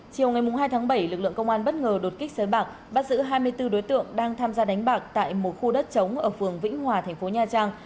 chiều ngày hai tháng bảy lực lượng công an bất ngờ đột kích sới bạc bắt giữ hai mươi bốn đối tượng đang tham gia đánh bạc tại một khu đất chống ở phường vĩnh hòa thành phố nha trang